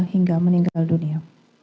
hingga meninggal dunia